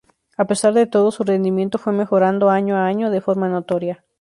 A pesar de todo, su rendimiento fue mejorando año a año de forma notoria.